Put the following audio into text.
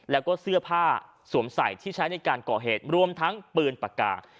แล้วก็เสื้อผ้าสวมใส่ที่ใช้ในการก่อเหตุรวมทั้งปืนปากกา